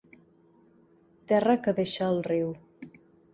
Terra que deixa el riu.